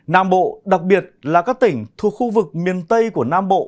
nam bộ đặc biệt là các tỉnh thuộc khu vực miền tây của nam bộ